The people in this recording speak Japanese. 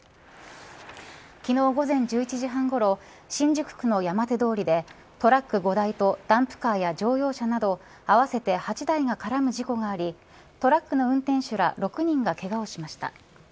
昨日、午前１１時半ごろ新宿区の山手通りでトラック５台とダンプカーや乗用車など合わせて８台が絡む事故がありトラックの運転手ら６人がけがをしました。